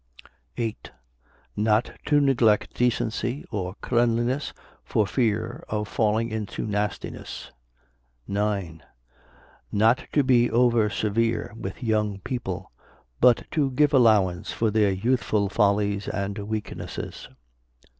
8. Not to neglect decency or cleanliness, for fear of falling into nastiness. 9. Not to be over severe with young people, but to give allowance for their youthful follies and weaknesses.